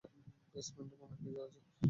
বেসমেন্টে মনেহয় কিছু আছে।